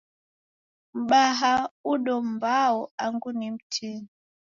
Mbaha udo mbao angu ni mtini.